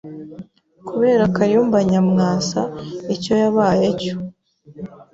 Kubera Kayumba Nyamwasa icyo yabaye cyo